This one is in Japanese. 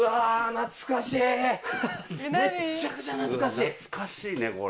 懐かしいねこれ。